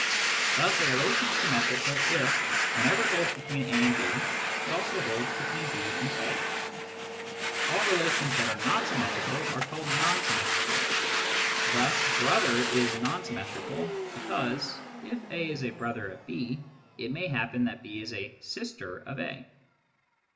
Thus a relation is symmetrical if, when holds between A and B, it also holds between B anc All relations that are not symmetrical are calle symmetrical. Thus " brother " is non symmetrical, b< if A is a brother of B, it may happen that B is 1 of A.